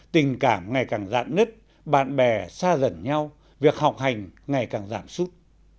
tình cảm ngày càng dạn nứt bạn bè xa dần nhau việc học hành ngày càng giảm sút